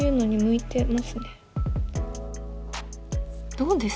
どうです？